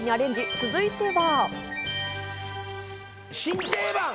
続いては。